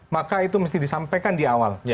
maka itu mesti disampaikan di awal